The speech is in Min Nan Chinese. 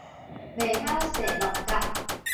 袂曉踅鹿角